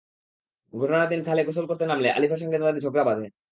ঘটনার দিন খালে গোসল করতে নামলে আলিফের সঙ্গে তাদের ঝগড়া বাধে।